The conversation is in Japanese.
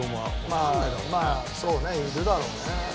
まあそうねいるだろうね。